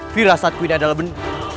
virasatku tidak adalah ben